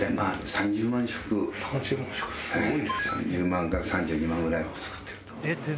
３０万から３２万ぐらいは作ってる。